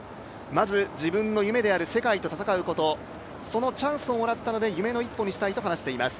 まず自分の夢である世界と戦うこと、そのチャンスをもらったので夢の一歩にしたいと話しています。